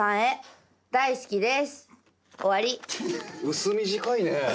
薄短いね。